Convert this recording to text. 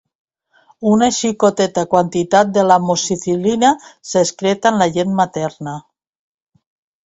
Una xicoteta quantitat de l'amoxicil·lina s'excreta en la llet materna.